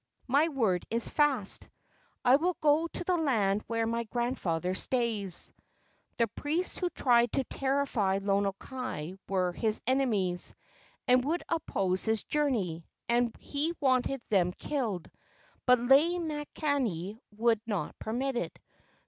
My word is fast. I will go to the land where my grandfather stays." The priests who had tried to terrify Lono kai were his enemies, and would oppose his journey, and he wanted them killed, but Lei makani would not permit it.